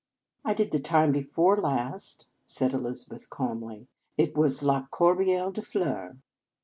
" I did the time before last," said Elizabeth calmly. " It was * La Cor beille de Fleurs.